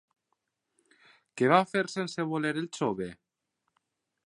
Què va fer sense voler el jove?